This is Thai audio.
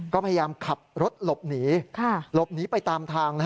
ก็พยายามขับรถหลบหนีหลบหนีไปตามทาง